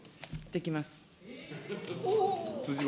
できます。